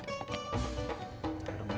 gak mau lo begini